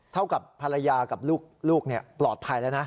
เท่ากับภรรยากับลูกปลอดภัยแล้วนะ